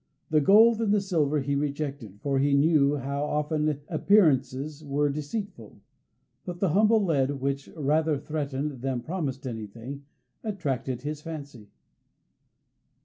The gold and the silver he rejected, for he knew how often appearances were deceitful; but the humble lead, which rather threatened than promised anything, attracted his fancy.